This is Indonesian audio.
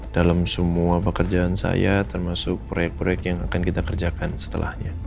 dalam semua pekerjaan saya termasuk proyek proyek yang akan kita kerjakan setelahnya